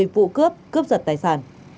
một mươi vụ cướp cướp giật tài sản